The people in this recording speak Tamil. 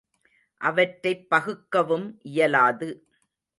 அவற்றைப் பகுக்கவும் இயலாது.